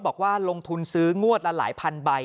บอกว่าลงทุนซื้องวดละหลายพันใบ